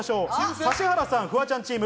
指原さん、フワちゃんチーム。